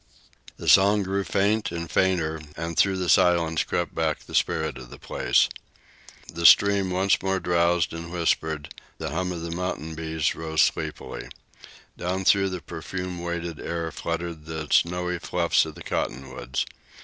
The song grew faint and fainter, and through the silence crept back the spirit of the place. The stream once more drowsed and whispered; the hum of the mountain bees rose sleepily. Down through the perfume weighted air fluttered the snowy fluffs of the cottonwoods.